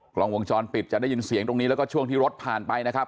กล้องวงจรปิดจะได้ยินเสียงตรงนี้แล้วก็ช่วงที่รถผ่านไปนะครับ